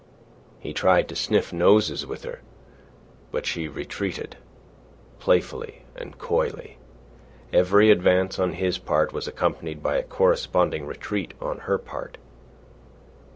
He tried to sniff noses with her, but she retreated playfully and coyly. Every advance on his part was accompanied by a corresponding retreat on her part.